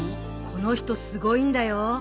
この人すごいんだよ。